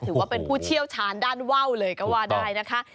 ถือว่าเป็นผู้เชี่ยวชาญด้านว่าวเลยก็ว่าได้นะคะ